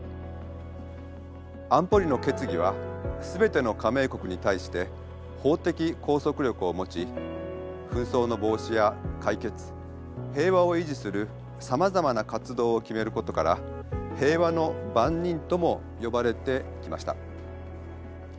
安保理の決議は全ての加盟国に対して法的拘束力を持ち紛争の防止や解決平和を維持するさまざまな活動を決めることから「平和の番人」とも呼ばれてきました。